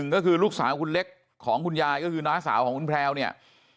ก็คือลูกสาวคุณเล็กของคุณยายก็คือน้าสาวของคุณแพลวเนี่ย